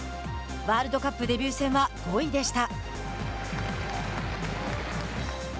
ワールドカップデビュー戦は５位でした。